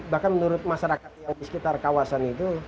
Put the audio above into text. bahkan menurut masyarakat yang di sekitar kawasan itu